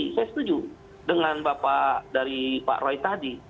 saya setuju dengan bapak dari pak roy tadi